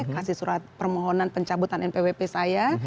kasih surat permohonan pencabutan npwp saya